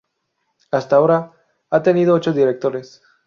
Hasta ahora ha tenido ocho directores.